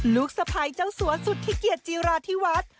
ลูกสะพ้ายเจ้าสัวสุธิเกียจจีราธิวัฒน์